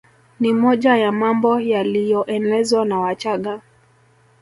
Ni moja ya mambo yaliyoenezwa na Wachagga